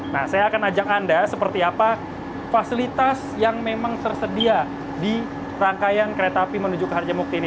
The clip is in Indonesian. nah saya akan ajak anda seperti apa fasilitas yang memang tersedia di rangkaian kereta api menuju ke harjamukti ini